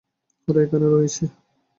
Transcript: ওরা এখানে রয়েছে।